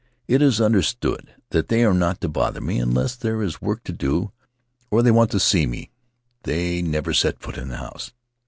It is understood that they are not to bother me; unless there is work to do or they want to see me they never set foot in the house.